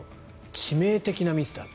致命的なミスだ。